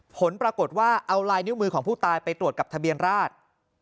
ผลปรากฏว่าเอาลายนิ้วมือของผู้ตายไปตรวจกับทะเบียนราช